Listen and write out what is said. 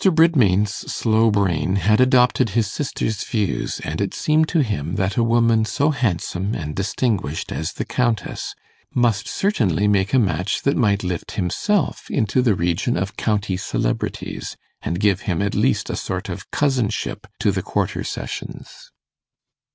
Bridmain's slow brain had adopted his sister's views, and it seemed to him that a woman so handsome and distinguished as the Countess must certainly make a match that might lift himself into the region of county celebrities, and give him at least a sort of cousinship to the quarter sessions.